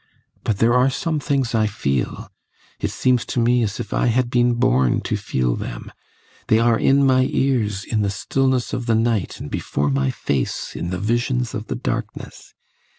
But there are some things I feel it seems to me as if I had been born to feel them; they are in my ears in the stillness of the night and before my face in the visions of the darkness.